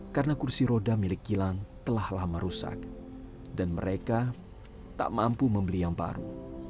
karena kursi roda milik gilang telah lama rusak dan mereka tak mampu membeli yang baru